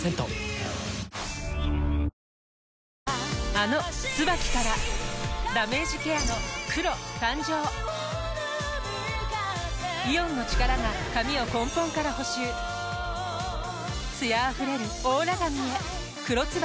あの「ＴＳＵＢＡＫＩ」からダメージケアの黒誕生イオンの力が髪を根本から補修艶あふれるオーラ髪へ「黒ＴＳＵＢＡＫＩ」